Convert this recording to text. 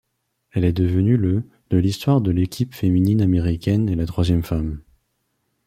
Elle est devenue le de l'histoire de l'équipe féminine américaine et la troisième femme.